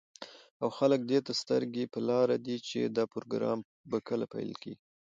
او خلك دېته سترگې په لار دي، چې دا پروگرام به كله پيل كېږي.